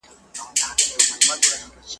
ما خو ویلي وه درځم ته به مي لاره څارې `